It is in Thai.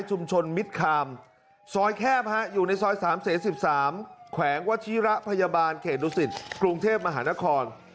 ชุมชนมิตรคามซอยแคบอยู่ในซอยสามเศษสิบสามแขวงวชิระพยาบาลเขตลุสิตกรุงเทพมหานคร